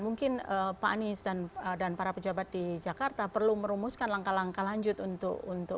mungkin pak anies dan para pejabat di jakarta perlu merumuskan langkah langkah lanjut untuk